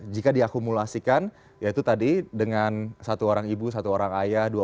jika diakumulasikan yaitu tadi dengan satu orang ibu satu orang ayah